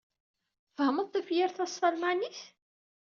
Tfehmeḍ tafyirt-a s talmanit?